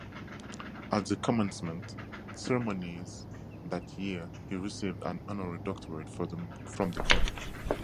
At the commencement ceremonies that year, he received an honorary doctorate from the College.